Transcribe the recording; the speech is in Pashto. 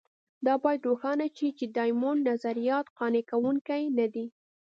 دا باید روښانه شي چې د ډایمونډ نظریات قانع کوونکي نه دي.